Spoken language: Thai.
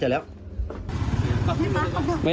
แป๊บเดียว